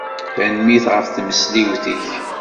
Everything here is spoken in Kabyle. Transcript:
Tanemmirt ɣef tmesliwt-ik.